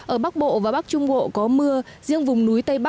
ở bắc bộ và bắc trung bộ có mưa